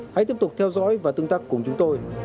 hãy tiếp tục theo dõi và tương tác cùng chúng tôi